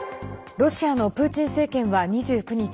ロシアのプーチン政権は２９日